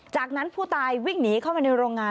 จากนั้นผู้ตายวิ่งหนีเข้าไปในโรงงาน